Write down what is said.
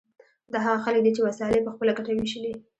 دا هغه خلک دي چې وسایل یې په خپله ګټه ویشلي.